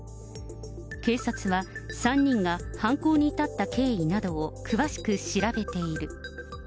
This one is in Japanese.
警察は３人が犯行に至った経緯などを詳しく調べている。